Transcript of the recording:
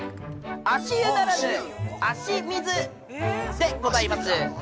足湯ならぬ、足水でございます。